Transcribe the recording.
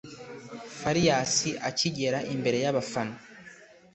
Farious akigera imbere y’abafana